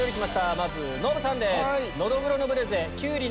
まずノブさんです。